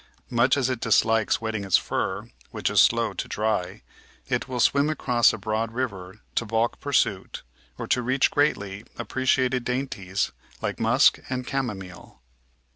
Much as it dislikes wetting its fur, which is slow to dry, it will swim across a broad river to baulk pursuit or to reach greatly appreciated dainties like musk and camomile.